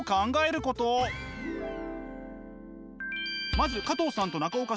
まず加藤さんと中岡さん